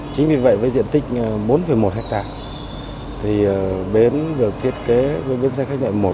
chính vì vậy với diện tích bốn một hectare bến được thiết kế với bến xe khách nội